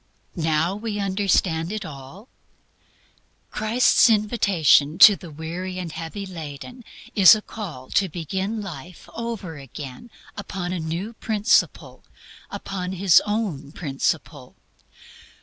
Now we understand it all? Christ's invitation to the weary and heavy laden is a call to begin life over again upon a new principle upon His own principle.